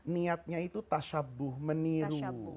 niatnya itu tashabuh meniru